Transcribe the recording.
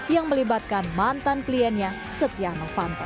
yang melibatkan mantan kliennya setia novanto